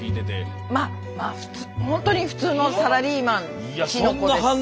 まあ普通ほんとに普通のサラリーマンちの子です。